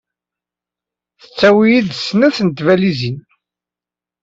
Tettawi yid-s snat n tbalizin.